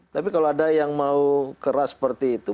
tapi kalau ada yang mau keras seperti itu